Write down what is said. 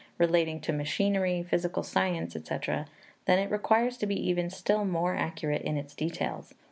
relating to machinery, physical science, &c., then it requires to be even still more accurate in its details.